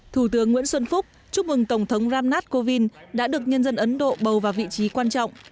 thủ tướng nguyễn xuân phúc chúc mừng tổng thống ramnath kovind đã được nhân dân ấn độ bầu vào vị trí quan trọng